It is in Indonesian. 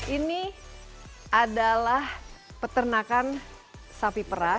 ini adalah peternakan sapi perah